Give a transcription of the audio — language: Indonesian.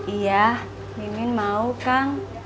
iya mimin mau kang